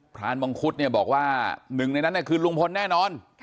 พลานมองคุฏบอกว่า๑ในนั้นคือลุงพลแน่นอน